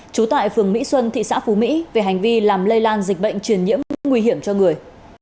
trú tại phường mỹ xuân thị xã phú mỹ về hành vi làm lây lan dịch bệnh truyền nhiễm nguy hiểm cho người